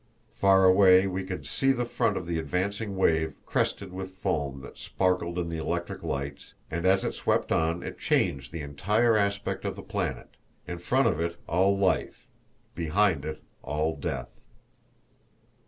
Far away we could see the front of the advancing wave crested with foam that sparkled in the electric lights, and as it swept on it changed the entire aspect of the planet in front of it all life, behind it all death.